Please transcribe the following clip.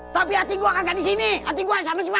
tapi hati gua gak disini hati gua sama si maya